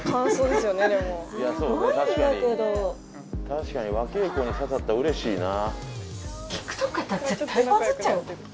確かに若え子に刺さったらうれしいな。